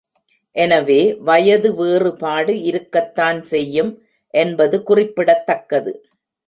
எனவே வயது வேறுபாடு இருக்கத்தான் செய்யும் என்பது குறிப்பிடத் தக்கது.